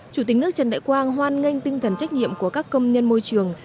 chủ tịch nước trần đại quang hoan nghênh tinh thần trách nhiệm của các công nhân môi trường